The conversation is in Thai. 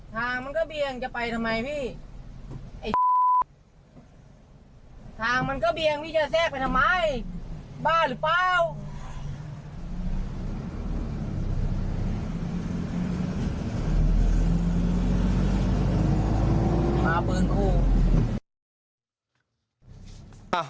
ทางมันก็เบียงจะไปทำไมพี่ไอ้ทางมันก็เบียงพี่จะแทรกไปทำไมบ้าหรือเปล่า